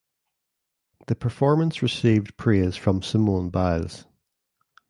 The performance received praise from Simone Biles.